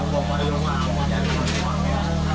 aku om mario mau jadi penghuni rumahnya